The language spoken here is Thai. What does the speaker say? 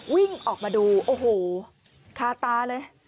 วิ่งออกมาดูโอ้โหคาตาเลย